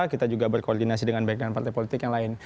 kita juga berkoordinasi dengan baik dengan partai politik yang lain